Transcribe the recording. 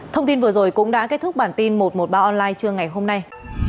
thông tin vừa rồi cũng đã kết thúc bản tin một trăm một mươi ba online trưa ngày hôm nay